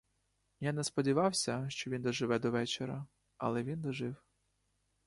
Я не сподівався, що він доживе до вечора, але він дожив.